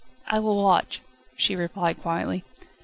"I will watch," she replied quietly.